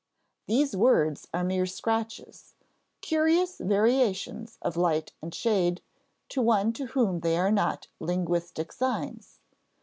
These words are mere scratches, curious variations of light and shade, to one to whom they are not linguistic signs.